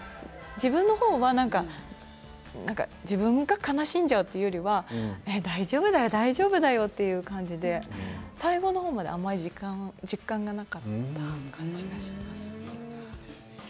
自分の方はなんか自分が悲しんでしまうというよりは大丈夫だよっていう感じで最後まであまり実感がなかった感じがします。